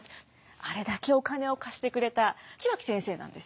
あれだけお金を貸してくれた血脇先生なんです。